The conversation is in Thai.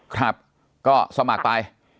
ครับก็สมัครไป